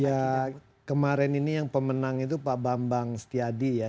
ya kemarin ini yang pemenang itu pak bambang setiadi ya